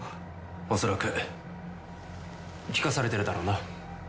恐らく聞かされてるだろうな。